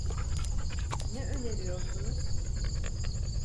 Ne öneriyorsunuz?